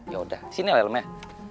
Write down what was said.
yaudah sini lah ilmeh